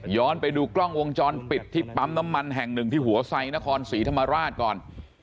ไปดูกล้องวงจรปิดที่ปั๊มน้ำมันแห่งหนึ่งที่หัวไซนครศรีธรรมราชก่อน